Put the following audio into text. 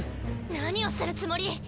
何をするつもり！？